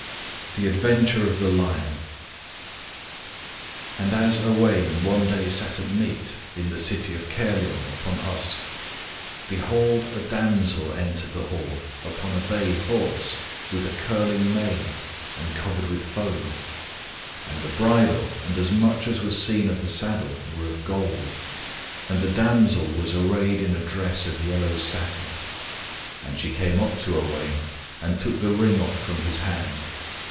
THE ADVENTURE OF THE LION And as Owain one day sat at meat, in the city of Caerleon upon Usk, behold a damsel entered the hall, upon a bay horse, with a curling mane, and covered with foam; and the bridle, and as much as was seen of the saddle, were of gold. And the damsel was arrayed in a dress of yellow satin. And she came up to Owain, and took the ring from off his hand.